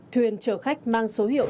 thuyền chở khách mang số hiệu